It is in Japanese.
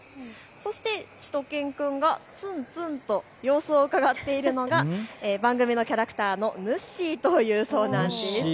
そしてしゅと犬くんがつんつんと様子をうかがっているのが番組のキャラクターのぬっしーというそうなんです。